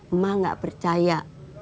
emak gak percaya